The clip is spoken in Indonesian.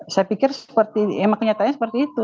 saya pikir emang kenyataannya seperti itu